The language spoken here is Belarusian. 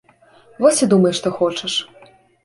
Вось і думай што хочаш!